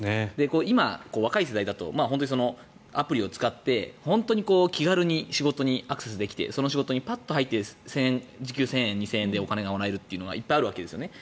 今、若い世代だとアプリを使って本当に気軽に仕事にアクセスできてその仕事にパッと入って時給１０００円、２０００円でお金がもらえるのはいっぱいあるわけですね。